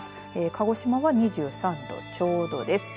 鹿児島は２３度ちょうどです。